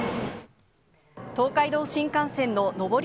東海道新幹線の上り